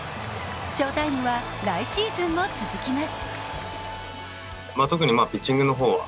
翔タイムは来シーズンも続きます。